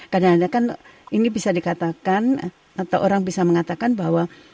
kadang kadang kan ini bisa dikatakan atau orang bisa mengatakan bahwa